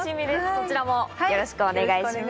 そちらもよろしくお願いします。